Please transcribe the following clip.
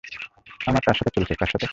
আমার তার সাথে চলছে, কার সাথে?